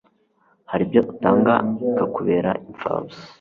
hari ibyo utanga bikakubera imfabusa